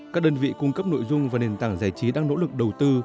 các đơn vị cung cấp nội dung và nền tảng giải trí đang nỗ lực đầu tư